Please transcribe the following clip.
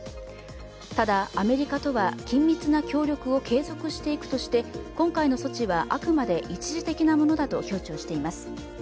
ただ、アメリカとは緊密な協力を継続していくとして今回の措置はあくまで一時的なものだと強調しています。